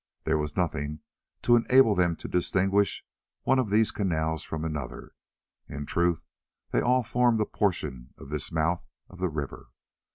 There was nothing to enable them to distinguish one of these canals from another; in truth they all formed a portion of this mouth of the river.